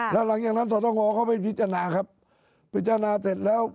แล้วหลังจากนั้นสตงเขาไปพิจารณาครับพิจารณาเสร็จแล้ว